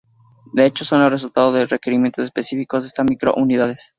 De hecho, son el resultado de requerimientos específicos de estas micro comunidades.